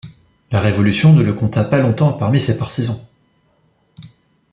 La Révolution ne le compta pas longtemps parmi ses partisans.